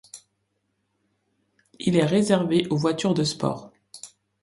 Il est réservé aux voitures de Sport.